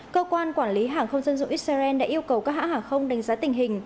cơ quan quản lý hàng không dân dụng israel đã yêu cầu các hãng hàng không đánh giá tình hình